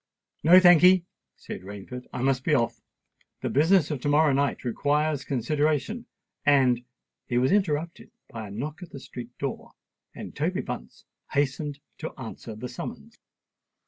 "No, thank'ee," said Rainford. "I must be off. The business of to morrow night requires consideration; and——" He was interrupted by a knock at the street door; and Toby Bunce hastened to answer the summons.